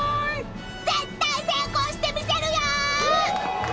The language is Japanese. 絶対成功してみせるよ！